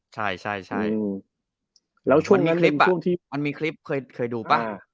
มันมีคลิปเคยดูป่ะ